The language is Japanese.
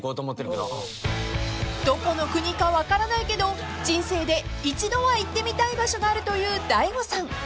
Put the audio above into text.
［どこの国か分からないけど人生で一度は行ってみたい場所があるという大悟さん］